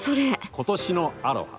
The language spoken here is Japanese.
今年のアロハ。